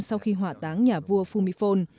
sau khi hỏa táng nhà vua phumibol